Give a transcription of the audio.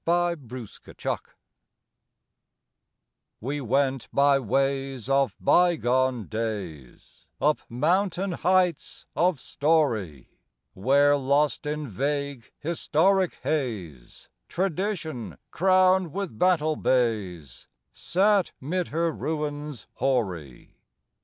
ABOVE THE VALES We went by ways of bygone days, Up mountain heights of story, Where, lost in vague, historic haze, Tradition, crowned with battle bays, Sat 'mid her ruins hoary.